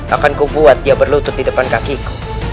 akan ku buat dia berlutut di depan kakiku